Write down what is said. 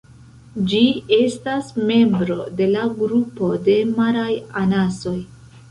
Ĝi estas membro de la grupo de maraj anasoj.